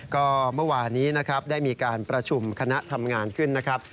ก็เมื่อวานนี้นะครับได้มีการประชุมคณะทำงานขึ้นนะครับ